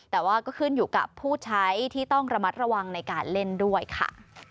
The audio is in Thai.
แต่ว่าก็ขึ้นอยู่กับผู้ใช้ที่ต้องระมัดระวังในการเล่นด้วยค่ะ